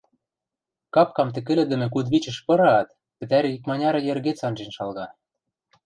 Капкам тӹкӹлӹдӹмӹ кудывичӹш пыраат, пӹтӓри икманяры йӹргец анжен шалга...